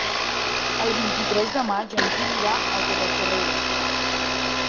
El vint-i-tres de maig en Gil irà a Torrefarrera.